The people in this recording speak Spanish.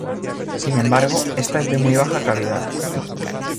Sin embargo, esta es de muy baja calidad.